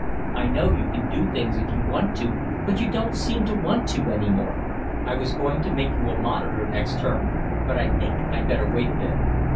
I know you can do things if you want to, but you don't seem to want to any more. I was going to make you a monitor next term, but I think I'd better wait a bit."